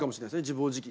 自暴自棄。